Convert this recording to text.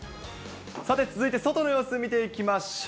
さて、続いて外の様子、見ていきましょう。